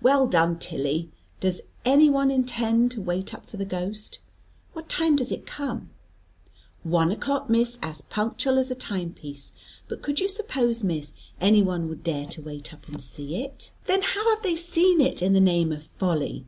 "Well done, Tilly! Does any one intend to wait up for the ghost? What time does it come?" "One o'clock, Miss, as punctual as a time piece. But could you suppose, Miss, any one would dare to wait up and see it?" "Then how have they seen it, in the name of folly?"